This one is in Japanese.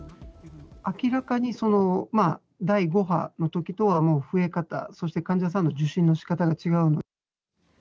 明らかに第５波のときとは増え方、そして患者さんの受診のしかたが違う。